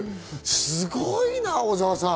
すごいな小澤さん。